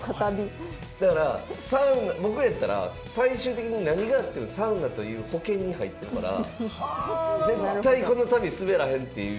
だからサウナ僕やったら最終的に何があってもサウナという保険に入ってるから絶対この旅スベらへんっていう。